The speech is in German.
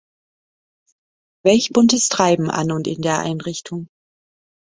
Welch buntes Treiben an und in der Einrichtung.